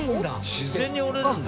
自然に折れるんだ。